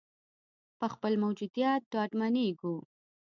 په خپل موجودیت ډاډمنېږو.